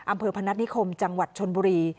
อำเภอพนักนิคมจังหวัดชนบุรี